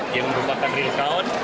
yang merupakan real count